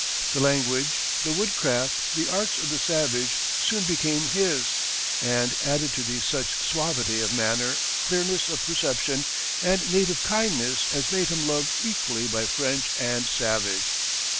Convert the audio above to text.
The language, the wood craft, the arts of the savage soon became his, and added to these such suavity of manner, clearness of perception, and native kindness as made him loved equally by French and savage.